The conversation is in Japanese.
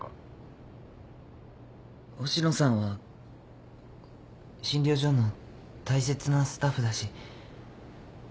星野さんは診療所の大切なスタッフだし。